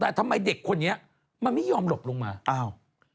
แต่ทำไมเด็กคนนี้มันไม่ยอมหลบลงมาอ้าว